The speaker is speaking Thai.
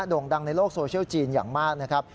่งดังในโลกโซเชียลจีนอย่างมากนะครับ